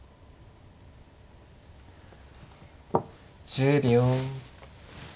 １０秒。